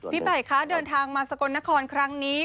ไผ่คะเดินทางมาสกลนครครั้งนี้